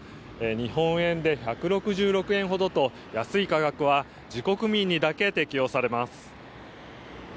日本円で１６６円ほどと安い価格は自国民にだけ適用されます。